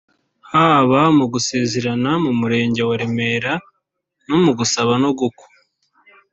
haba mu gusezeranira mu murenge wa Remera no mu gusaba no gukwa